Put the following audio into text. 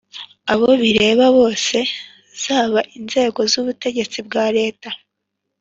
abo bireba bose zaba inzego z ubutegetsi bwa leta